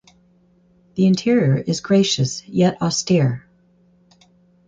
The interior is gracious yet austere.